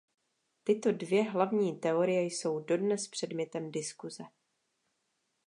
Tyto dvě hlavní teorie jsou dodnes předmětem diskuse.